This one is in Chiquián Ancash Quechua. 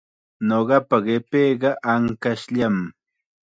Ñuqapa qipiiqa ankashllam.